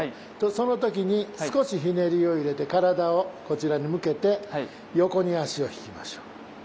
その時に少しひねりを入れて体をこちらに向けて横に足を引きましょう。